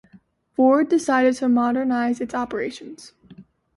Ford decided to modernize its operations.